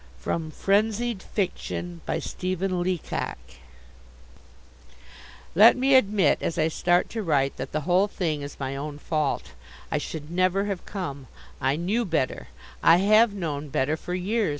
V. The Sorrows of a Summer Guest Let me admit, as I start to write, that the whole thing is my own fault. I should never have come. I knew better. I have known better for years.